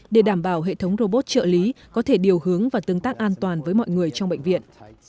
để đảm bảo hệ thống robot trợ lý có thể điều hướng và tương tác an toàn với mọi người trong bệnh viện